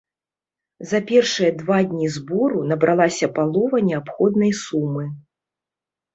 За першыя два дні збору набралася палова неабходнай сумы.